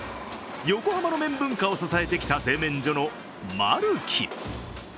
横浜の麺文化を支えてきた製麺所の丸紀。